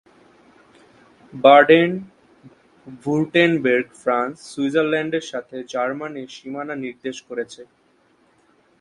Baden-Württemberg France, সুইজারল্যান্ডের সাথে জার্মানির সীমানা নির্দেশ করেছে।